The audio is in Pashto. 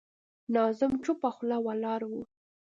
ناظم چوپه خوله ولاړ و.